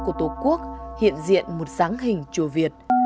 của tổ quốc hiện diện một sáng hình chùa việt